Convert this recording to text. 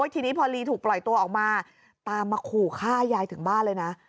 ทีนี้พอลีถูกปล่อยตัวออกมาตามมาขู่ฆ่ายายถึงบ้านเลยนะ